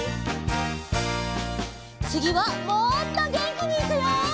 つぎはもっとげんきにいくよ！